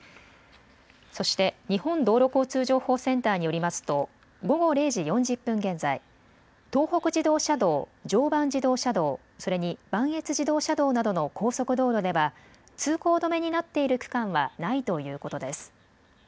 そして日本道路交通情報センターによりますと午後０時４０分現在、東北自動車道、常磐自動車道、それに磐越自動車道などの高速道路では通行止めになっている区間はないということです。